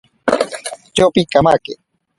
Tyopi kamake.